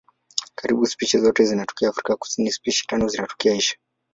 Karibu spishi zote zinatokea Afrika lakini spishi tano zinatokea Asia.